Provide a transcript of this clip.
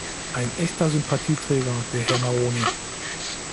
Ein echter Sympathieträger, der Herr Maroni!